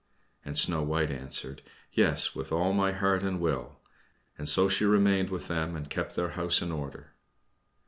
And Snow White answered, "Yes, with all my heart and will." And so she remained with them, and kept their house in order.